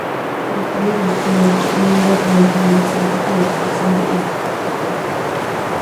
Se detiene bruscamente y mira durante un instante con expresión de estupor.